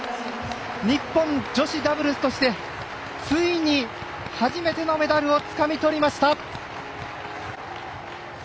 日本女子ダブルスとしてついに、初めてのメダルをつかみとりました！